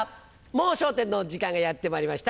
『もう笑点』の時間がやってまいりました。